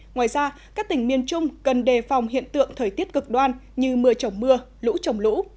ngoài ra các tỉnh miền trung cần đề phòng hiện tượng thời tiết cực đoan như mưa trồng mưa lũ trồng lũ